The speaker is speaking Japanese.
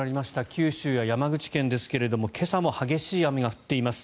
九州や山口県ですが今朝も激しい雨が降っています。